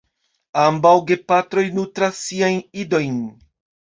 Ambaŭ gepatroj nutras siajn idojn.